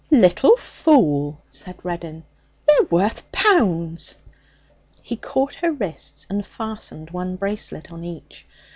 'Little fool!' said Reddin. 'They're worth pounds.' He caught her wrists and fastened one bracelet on each.